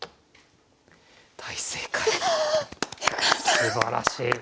すばらしい。